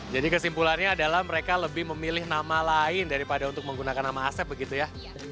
jadi kesimpulannya adalah mereka lebih memilih nama lain daripada untuk menggunakan nama asep begitu ya